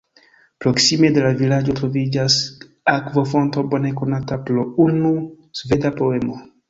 Proksime de la vilaĝo troviĝas akvofonto bone konata pro unu sveda poemo.